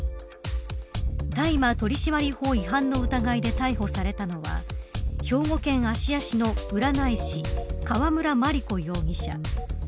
大麻取締法違反の疑いで逮捕されたのは兵庫県芦屋市の占い師川村麻理子容疑者。